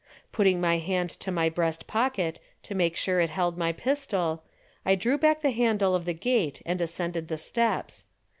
Putting my hand to my breast pocket to make sure it held my pistol, I drew back the handle of the gate and ascended the steps.